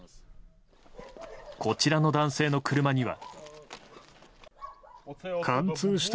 こちらの男性の車には。